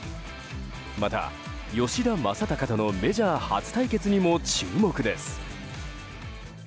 また、吉田正尚とのメジャー初対決にも注目です。